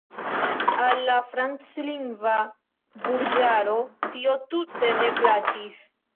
Al la franclingva burĝaro tio tute ne plaĉis.